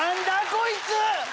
こいつ！